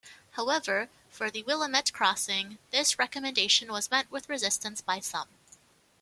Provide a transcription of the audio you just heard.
However, for the Willamette crossing, this recommendation was met with resistance by some.